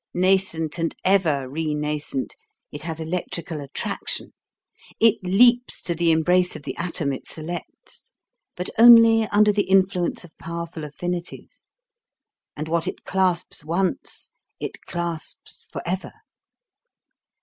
Nascent and ever renascent, it has electrical attraction; it leaps to the embrace of the atom it selects, but only under the influence of powerful affinities; and what it clasps once, it clasps for ever.